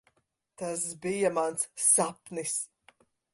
Tas bija mans sapnis.